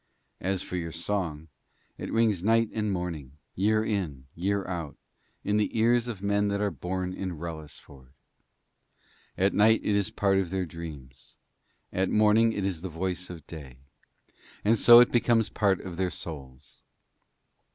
As for your song, it rings night and morning, year in, year out, in the ears of men that are born in Wrellisford; at night it is part of their dreams, at morning it is the voice of day, and so it becomes part of their souls.